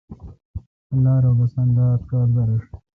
اللہ رب اسان لات کار دا رݭہ۔